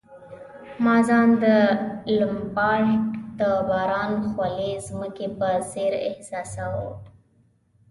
ما ځان د لمپارډ د باران خوړلي مځکې په څېر احساساوه.